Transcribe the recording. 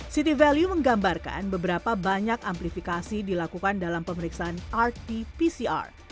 city value menggambarkan beberapa banyak amplifikasi dilakukan dalam pemeriksaan rt pcr